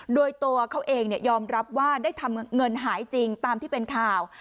โดยตัวเขาเองยอมรับว่าได้ทำเงินหายจริงตามที่เป็นข่าว